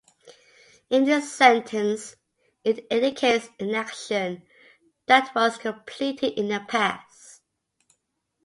In this sentence, it indicates an action that was completed in the past.